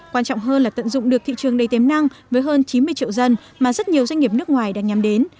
quan trọng hơn là tận dụng được thị trường đầy tiềm năng với hơn chín mươi triệu dân mà rất nhiều doanh nghiệp nước ngoài đang nhắm đến